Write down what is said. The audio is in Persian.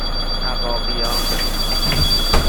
اَقاقیا